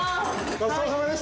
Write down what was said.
ごちそうさまでした。